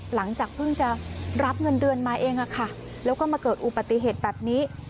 หลังจากเพิ่งจะรับเงินเดือนมาเองแล้วก็มาเกิดอุบัติเหตุแบบนี้